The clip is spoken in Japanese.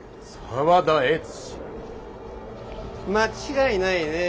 間違いないね。